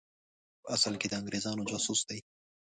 په اصل کې د انګرېزانو جاسوس دی.